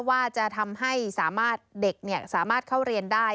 ว่าจะทำให้สามารถเด็กสามารถเข้าเรียนได้